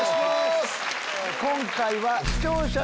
今回は。